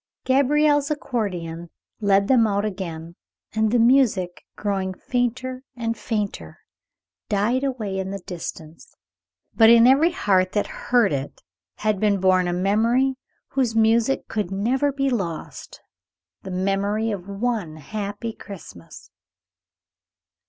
Gabriel's accordion led them out again, and the music, growing fainter and fainter, died away in the distance; but in every heart that heard it had been born a memory whose music could never be lost, the memory of one happy Christmas.